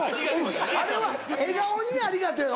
あれは「笑顔にありがとう」や。